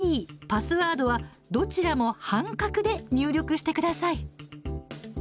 ＩＤ、パスワードはどちらも半角で入力してください。